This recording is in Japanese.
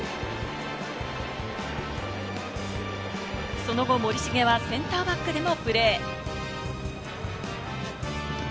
その後、森重はセンターバックでもプレー。